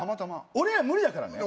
俺には無理だからね